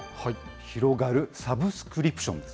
広がるサブスクリプションです。